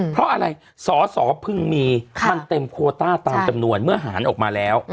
เพราะอะไรสอสอพึงมีมันเต็มโคต้าตามจำนวนเมื่อหารออกมาแล้ว